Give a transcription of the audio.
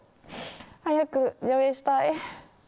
早く上映したい。